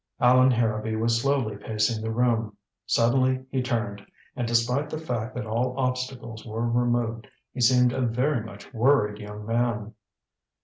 Allan Harrowby was slowly pacing the room. Suddenly he turned, and despite the fact that all obstacles were removed, he seemed a very much worried young man.